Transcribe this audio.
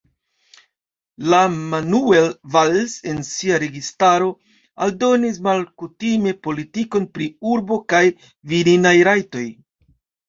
La Manuel Valls en sia registaro aldonis malkutime politikon pri urbo kaj virinaj rajtoj.